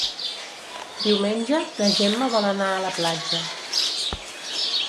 Diumenge na Gemma vol anar a la platja.